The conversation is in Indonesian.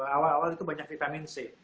awal awal itu banyak vitamin c